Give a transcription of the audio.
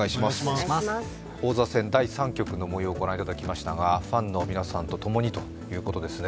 王座戦第３局のもようを御覧いただきましたがファンと共にということですね。